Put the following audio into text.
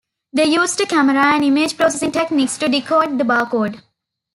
They use a camera and image processing techniques to decode the bar code.